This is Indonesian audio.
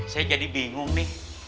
saya jadi bingung nih